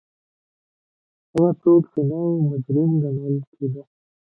هغه څوک چې نه وو مجرم ګڼل کېده